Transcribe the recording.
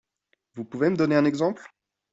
Vous pouvez me donner un exemple ?